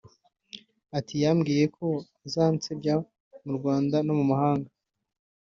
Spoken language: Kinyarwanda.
Ati “Yambwiye ko azansebya mu Rwanda no mu mahanga